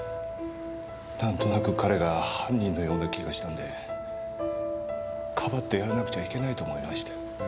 何となく彼が犯人のような気がしたのでかばってやらなくちゃいけないと思いまして。